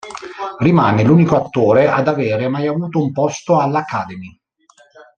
Rimane l'unico attore ad avere mai avuto un posto all'Academy.